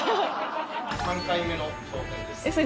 ３回目の挑戦です。